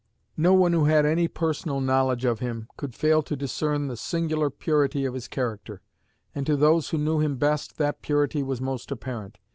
No one who had any personal knowledge of him could fail to discern the singular purity of his character; and to those who knew him best that purity was most apparent.